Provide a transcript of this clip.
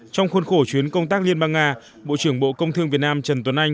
trong khuôn khổ chuyến công tác liên bang nga bộ trưởng bộ công thương việt nam trần tuấn anh